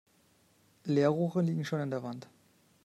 Leerrohre liegen schon in der Wand.